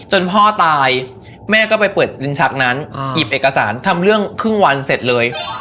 พ่อตายแม่ก็ไปเปิดลิ้นชักนั้นหยิบเอกสารทำเรื่องครึ่งวันเสร็จเลย